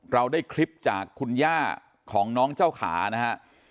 เราได้คลิปจากคุณย่าของน้องเจ้าขานะฮะ